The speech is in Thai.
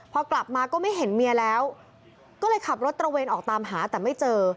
พอกลับมาก็ไม่เห็นเมียแล้วก็เลยขับรถตระเวนออกตามหาแต่ไม่เจอ